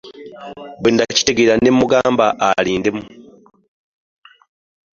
Bwe nakitegeera ne mmugamba alindemu.